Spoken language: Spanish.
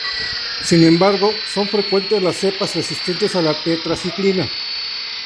Sin embargo, son frecuentes las cepas resistentes a la tetraciclina.